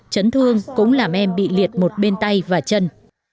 chấn thương cũng làm em bị liệt một bên tay và chân